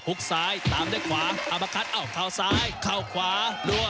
กซ้ายตามด้วยขวาเอามาคัดอ้าวเข้าซ้ายเข้าขวารัว